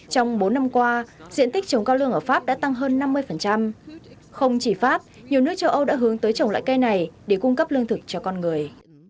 trong bốn năm qua diện tích trồng cao lương ở pháp đã tăng hơn năm mươi không chỉ pháp nhiều nước châu âu đã hướng tới trồng loại cây này để cung cấp lương thực cho con người